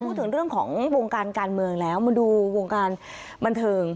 พูดถึงเรื่องของวงการการเมืองแล้วมาดูวงการบันเทิง